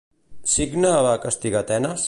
Cicne va castigar Tenes?